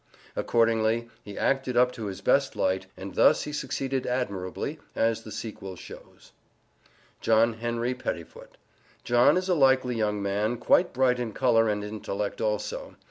Accordingly, he acted up to his best light, and thus he succeeded admirably, as the sequel shows. JOHN HENRY PETTIFOOT. John is a likely young man, quite bright in color and in intellect also.